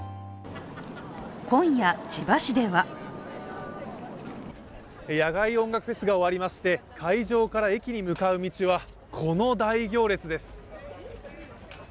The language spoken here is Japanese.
今夜、千葉市では野外音楽フェスが終わりまして会場から駅に向かう道はこの大行列です。